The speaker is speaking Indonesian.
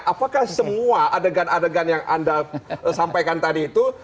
apakah semua adegan adegan yang anda sampaikan tadi itu